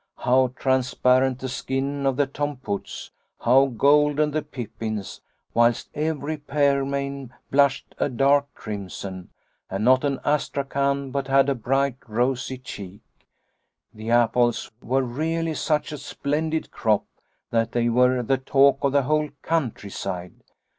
How trans parent the skin of the Tom Putts, how golden the pippins, whilst every pearmain blushed a dark crimson and not an astrachan but had a bright rosy cheek. The apples were really such a splendid crop that they were the talk of the whole country side.